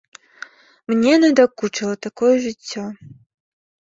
Мне надакучыла такое жыццё.